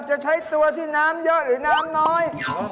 จะใช้ตัวที่น้ำเยอะหรือน้ำน้อย